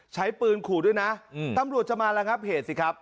ใช้ปืนขู่ด้วยนะตำรวจจะมาระงับเหตุสิครับ